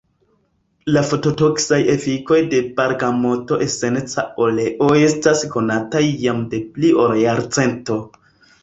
La fototoksaj efikoj de bergamota esenca oleo estas konataj jam de pli ol jarcento.